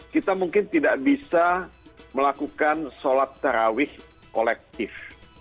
kita mungkin tidak bisa melakukan sholat terawih kolektif